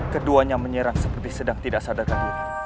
keduanya menyerang seperti sedang tidak sadarkan diri